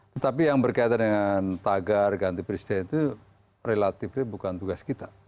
tetapi yang berkaitan dengan tagar ganti presiden itu relatif bukan tugas kita